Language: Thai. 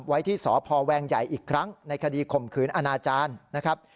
ไว้ที่สพแวงใหญ่อีกครั้งในคดีข่มขืนอนาจารย์นะครับ